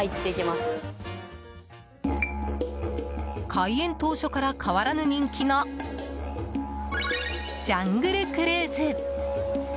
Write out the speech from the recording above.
開園当初から変わらぬ人気のジャングルクルーズ。